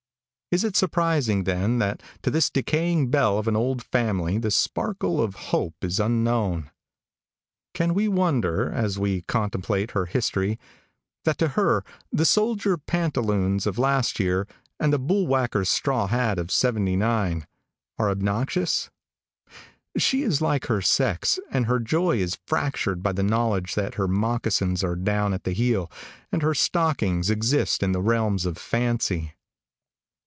Is it surprising, then, that to this decaying belle of an old family the sparkle of hope is unknown? Can we wonder, as we contemplate her history, that to her the soldier pantaloons of last year, and the bullwhacker's straw hat of '79, are obnoxious? She is like her sex, and her joy is fractured by the knowledge that her moccasins are down at the heel, and her stockings existing in the realms of fancy.